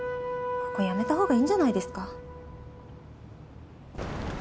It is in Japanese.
ここ辞めた方がいいんじゃないですか？